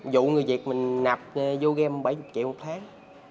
vụ người việt mình nạp vô game bảy triệu một tháng